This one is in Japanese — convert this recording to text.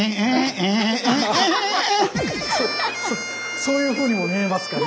そそういうふうにも見えますかね。